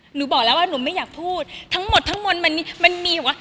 หนูบอกแล้วว่าหนูไม่อยากพูดทั้งหมดทั้งมวลมันมีแบบว่า